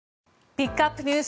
ピックアップＮＥＷＳ